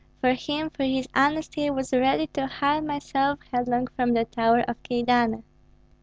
For him, for his honesty I was ready to hurl myself headlong from the tower of Kyedani."